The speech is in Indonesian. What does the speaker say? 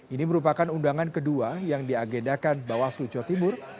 ini merupakan undangan kedua yang diagendakan bawaslu jawa timur